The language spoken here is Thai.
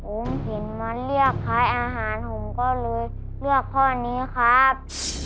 อุ้งหินมันเรียกพระอาหารผมก็เลยเลือกข้อนี้ครับ